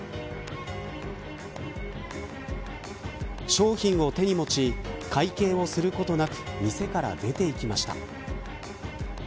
商品を手に持ち会計をすることなく店から出て行きました。